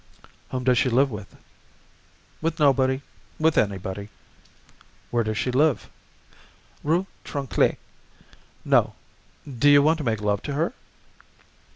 "Whom does she live with?" "With nobody; with anybody." "Where does she live?" "Rue Tronchet, No.—. Do you want to make love to her?"